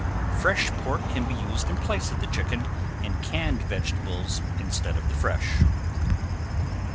Fresh pork can be used in place of the chicken and canned vegetables instead of the fresh.